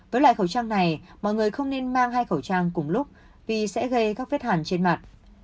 với lại khẩu trang này mọi người không nên mang hai khẩu trang cùng lúc vì sẽ gây các vết hàn trên mặt